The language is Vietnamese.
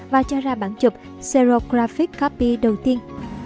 và cho ra bản chụp serigraphic copy đầu tiên